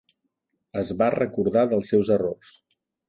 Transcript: Es va recordar dels seus errors.